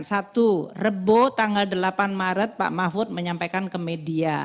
satu rebo tanggal delapan maret pak mahfud menyampaikan ke media